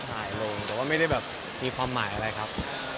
หายลงแต่ว่าไม่ได้แบบมีความหมายอะไรครับ